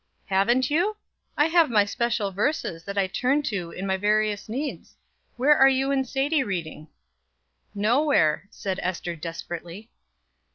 "Haven't you? I have my special verses that I turn to in my various needs. Where are you and Sadie reading?" "No where," said Ester desperately.